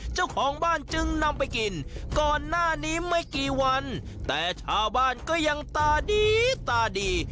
เจ้าของบ้านจึงนำไปกินก่อนหน้านี้ไม่กี่วันแต่ชาวบ้านก็ยังตาดีตาดี